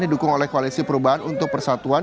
didukung oleh koalisi perubahan untuk persatuan